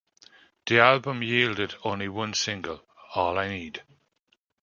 The album yielded only one single, "All I Need".